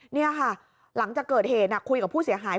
นี่ค่ะหลังจากเกิดเหตุคุยกับผู้เสียหาย